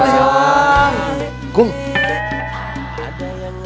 ada yang ngelak